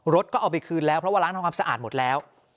รถก็เอาไปคืนแล้วเพราะว่าร้านทำความสะอาดหมดแล้ว